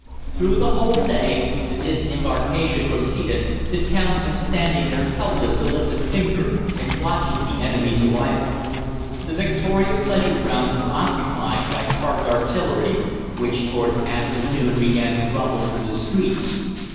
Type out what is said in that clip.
"Through the whole day the disembarkation proceeded, the townsmen standing there helpless to lift a finger and watching the enemy's arrival. The Victoria Pleasure Grounds were occupied by parked artillery, which towards afternoon began to rumble through the streets.